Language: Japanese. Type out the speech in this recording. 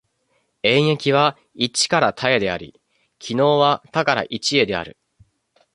演繹は一から多へであり、帰納は多から一へである。